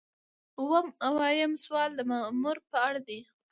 اووه اویایم سوال د مامور په اړه دی.